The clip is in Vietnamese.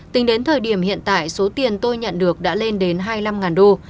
tính đến thời điểm hiện tại số tiền tôi nhận được đã lên đến hai mươi năm đô